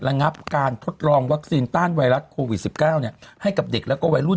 ระงับการทดลองวัคซีนต้านไวรัสโควิด๑๙ให้กับเด็กและวัยรุ่น